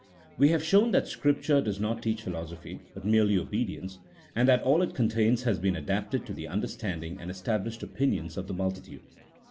We have shown that Scripture does not teach philosophy, but merely obedience, and that all it contains has been adapted to the understanding and established opinions of the multitude.